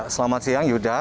selamat siang yuda